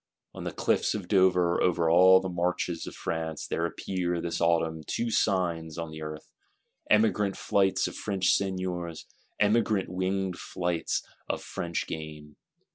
On the Cliffs of Dover, over all the Marches of France, there appear, this autumn, two Signs on the Earth: emigrant flights of French Seigneurs; emigrant winged flights of French Game!